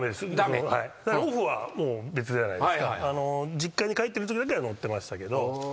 実家に帰ってるときだけは乗ってましたけど。